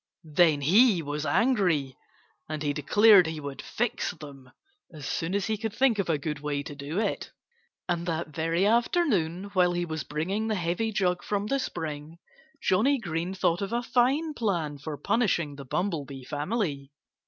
Then he was angry. And he declared he would "fix them" as soon as he could think of a good way to do it. And that very afternoon, while he was bringing the heavy jug from the spring, Johnnie Green thought of a fine plan for punishing the Bumblebee family.